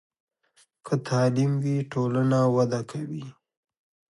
که تعلیم وي، ټولنه وده کوي.